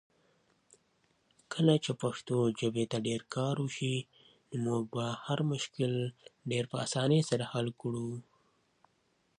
تخلیقي ادب لوستونکو ته ذهني ارامښت وربښي.